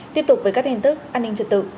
tiếp tục với các tin tức an ninh trật tự